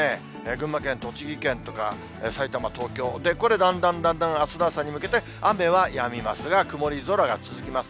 群馬県、栃木県とか埼玉、東京、これ、だんだんだんだんあすの朝に向けて、雨はやみますが、曇り空が続きます。